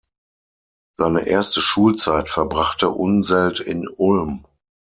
Seine erste Schulzeit verbrachte Unseld in Ulm.